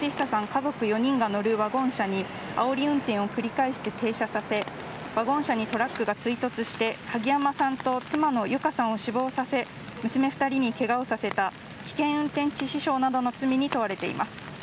家族４人が乗るワゴン車にあおり運転を繰り返して停車させワゴン車にトラックが追突して萩山さんと妻の由香さんを死亡させ、娘２人にけがをさせた危険運転致死傷などの罪に問われています。